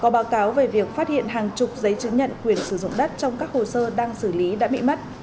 báo cáo về việc phát hiện hàng chục giấy chứng nhận quyền sử dụng đất trong các hồ sơ đang xử lý đã bị mất